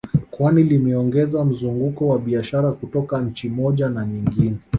Kwani limeongeza mzunguko wa biashara kutoka nchi moja na nyingine